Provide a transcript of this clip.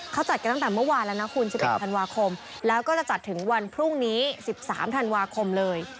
เขาจัดกันตั้งแต่เมื่อวานแล้วนะคุณ๑๑ธันวาคมแล้วก็จะจัดถึงวันพรุ่งนี้๑๓ธันวาคมเลย